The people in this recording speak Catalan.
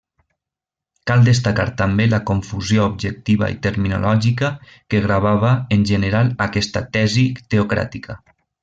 Cal destacar també la confusió objectiva i terminològica que gravava en general aquesta tesi teocràtica.